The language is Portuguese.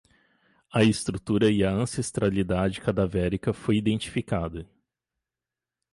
A estatura e a ancestralidade cadavérica foi identificada